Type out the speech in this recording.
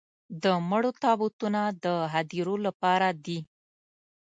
د مړو تابوتونه د هديرو لپاره دي.